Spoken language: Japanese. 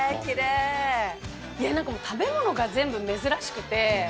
いや何かもう食べ物が全部珍しくて。